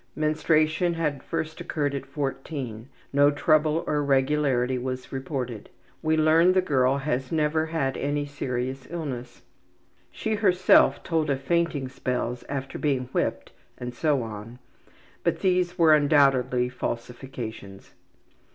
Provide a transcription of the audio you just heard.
Menstruation had first occurred at 14. No trouble or irregularity was reported. We learn the girl has never had any serious illness. She herself told of fainting spells after being whipped and so on, but these were undoubtedly falsifications.